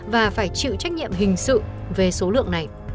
và phải chịu trách nhiệm hình sự về số lượng này